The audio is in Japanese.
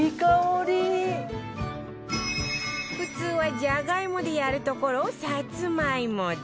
普通はジャガイモでやるところをさつまいもで